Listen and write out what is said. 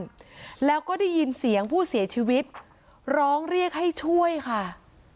แล้วก็ได้ยินเสียงผู้เสียชีวิตร้องเรียกให้ช่วยค่ะ